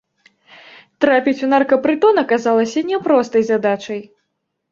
Трапіць у наркапрытон аказалася няпростай задачай.